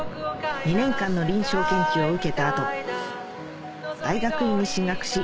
２年間の臨床研究を受けた後大学院に進学し